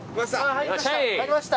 入りました。